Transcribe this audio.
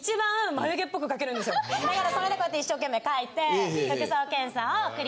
だからそれでこうやって一生懸命描いて。